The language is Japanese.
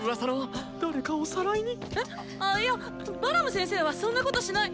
ああいやバラム先生はそんなことしない。